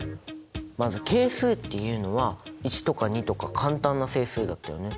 まず「係数」っていうのは１とか２とか簡単な整数だったよね。